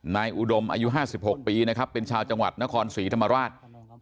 อุดมอายุ๕๖ปีนะครับเป็นชาวจังหวัดนครศรีธรรมราช